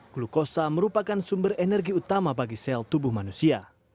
glukosa merupakan sumber energi utama bagi sel tubuh manusia